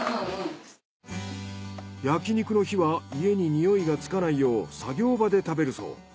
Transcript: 焼肉の日は家に匂いがつかないよう作業場で食べるそう。